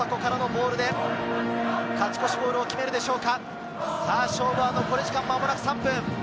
大迫からのボールで勝ち越しゴールを決めるでしょうか？